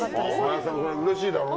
林さんうれしいだろうね。